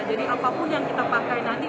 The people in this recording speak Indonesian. apapun yang kita pakai nanti